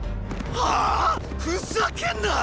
はァ⁉ふざけんな！